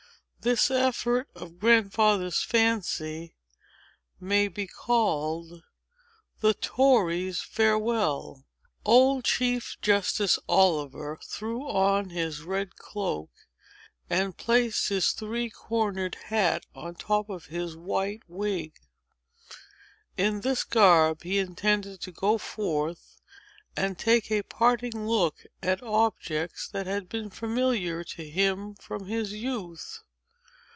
This effort of Grandfather's fancy may be called— THE TORY'S FAREWELL Old Chief Justice Oliver threw on his red cloak, and placed his three cornered hat on the top of his white wig. In this garb he intended to go forth and take a parting look at objects that had been familiar to him from his youth.